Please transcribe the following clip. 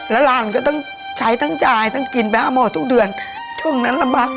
นำเฮ็ดบัญชุใส่ถุงและมัดรวมจำนวน๓คู่